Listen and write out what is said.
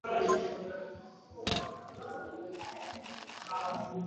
Mnyama mwenye ugonjwa wa ndui hutetemeka na kupenda kukaa kivulini